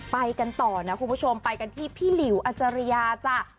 ไปกันต่อนะคุณผู้ชมไปกันที่พี่หลิวอาจารยาจ้ะ